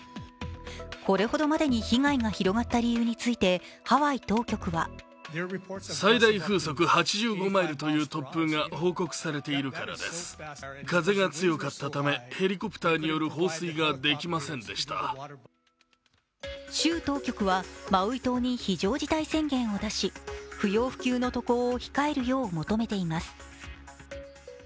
これほどまでに被害が広がった理由についてハワイ当局は州当局は、マウイ島に非常事態宣言を出し、不要不急の渡航を控えるよう求めています。